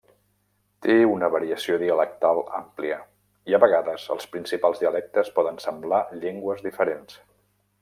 Té una variació dialectal àmplia, i a vegades els principals dialectes poden semblar llengües diferents.